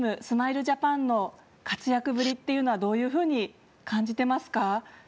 スマイルジャパンの活躍ぶりというのはどういうふうに感じてますか？